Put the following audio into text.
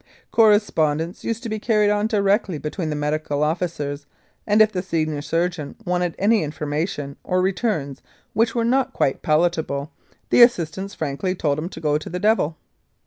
Correspondence used to be carried on directly between the medical officers, and if the senior surgeon wanted any informa tion or returns which were not quite palatable, the assistants frankly told him to go to the devil.